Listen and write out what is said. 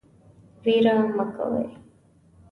ویره مه کوئ